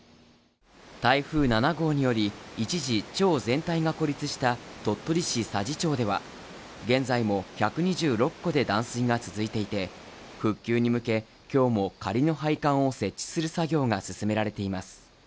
台風７号により一時町全体が孤立した鳥取市佐治町では現在も１２６戸で断水が続いていて復旧に向け今日も仮の配管を設置する作業が進められています